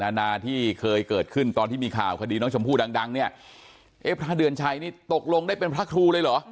นานาที่เคยเกิดขึ้นตอนที่มีข่าวคดีน้องชมพู่ดังดังเนี่ยเอ๊ะพระเดือนชัยนี่ตกลงได้เป็นพระครูเลยเหรอ